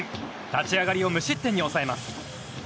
立ち上がりを無失点に抑えます。